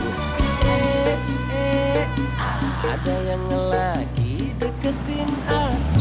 eh eh eh ada yang lagi deketin aku